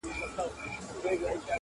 نو بیا د هغه اثر کار او هنر